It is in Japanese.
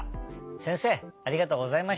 せんせいありがとうございました。